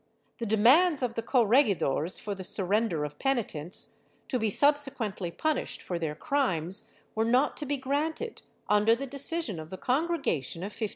The demands of the corregidores for the surrender of penitents, to be subsequently punished for their crimes, were not to be granted, under the decision of the congregation of 1526.